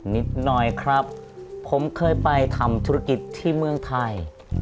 นิดหน่อยครับผมเคยไปทำธุรกิจที่เมืองไทย